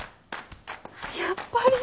やっぱり。